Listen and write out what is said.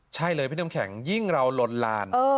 ใช่เลยพี่น้ำแข็งยิ่งเราลนลาน